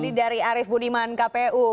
tadi dari arief budiman kpu